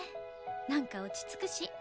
何か落ち着くし。